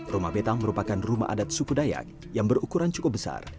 rumah betang merupakan rumah adat suku dayak yang berukuran cukup besar